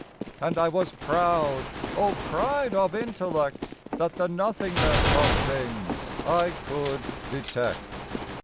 75 And I was proud—O pride of intellect!— That the nothingness of things I could detect.